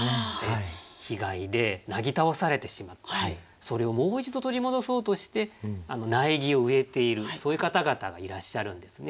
被害でなぎ倒されてしまってそれをもう一度取り戻そうとして苗木を植えているそういう方々がいらっしゃるんですね。